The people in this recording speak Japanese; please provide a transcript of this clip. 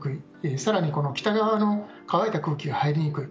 更に北側の乾いた空気が入りにくい。